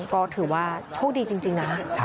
ก็ถือว่าโชคดีจริงนะ